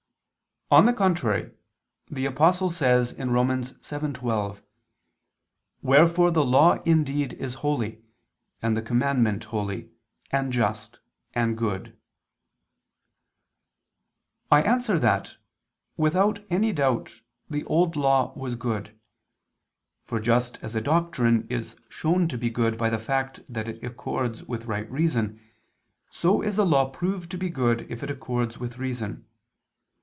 On the contrary, The Apostle says (Rom. 7:12): "Wherefore the law indeed is holy, and the commandment holy, and just, and good." I answer that, Without any doubt, the Old Law was good. For just as a doctrine is shown to be good by the fact that it accords with right reason, so is a law proved to be good if it accords with reason.